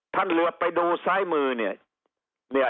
ท่านเรียบไปดูซ้ายมือนี่